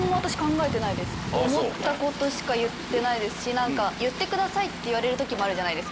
思ったことしか言ってないですし言ってくださいって言われる時もあるじゃないですか。